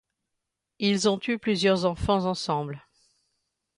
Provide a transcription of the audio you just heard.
Ils ont eu plusieurs enfants ensemble.